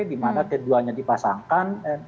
dimana t dua nya dipasangkan